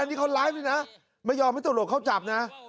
นี่เขาไลฟ์ด้วยนะไม่ยอมให้ตำรวจเข้าจับนะ